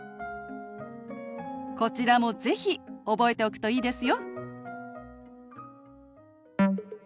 こちらも是非覚えておくといいですよ。